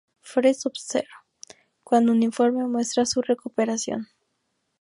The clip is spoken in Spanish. Freeze: Subzero", cuando un informe muestra su recuperación.